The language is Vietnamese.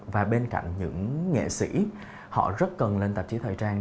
và bên cạnh những nghệ sĩ họ rất cần lên tạp chí thời trang